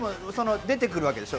出てくるわけでしょう？